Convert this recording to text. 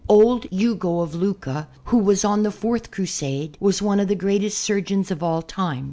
Old Ugo of Lucca who was on the fourth Crusade was one of the greatest surgeons of all time.